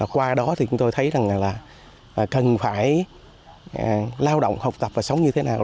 qua đó thì chúng tôi thấy rằng là cần phải lao động học tập và sống như thế nào